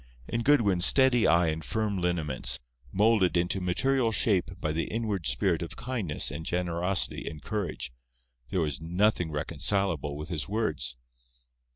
In Goodwin's steady eye and firm lineaments, moulded into material shape by the inward spirit of kindness and generosity and courage, there was nothing reconcilable with his words.